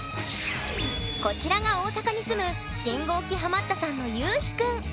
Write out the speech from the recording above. こちらが大阪に住む信号機ハマったさんのゆうひくん。